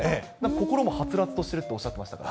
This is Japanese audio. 心もはつらつとしてるとおっしゃってましたから。